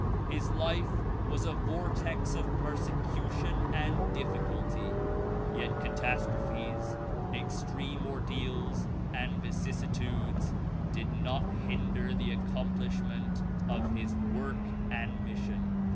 His life was a vortex of persecution and difficulty, yet catastrophes, extreme ordeals and vicissitudes did not hinder the accomplishment of his work and mission.